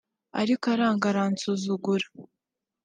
ariko aranga aransuzugura